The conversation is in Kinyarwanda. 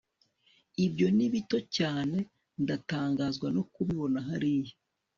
ibyo ni bito cyane ndatangazwa no kubibona hariya